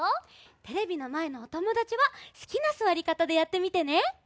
テレビのまえのおともだちはすきなすわりかたでやってみてね。